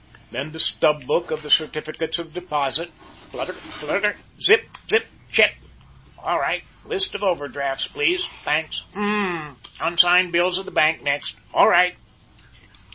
Then the stub book of the certificates of deposit. Flutter flutter zip zip check! All right. List of over drafts, please. Thanks. H'm m. Unsigned bills of the bank, next. All right.